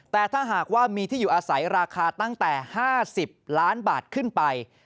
แต่ถ้าหากว่ามีที่อยู่อาศัยราคาตั้งแต่๕๐ล้านบาทขึ้นไป